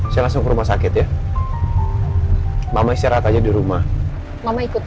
saya langsung rumah sakit ya mama istirahat aja di rumah mama ikut ya